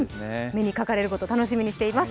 目にかかれること楽しみにしています。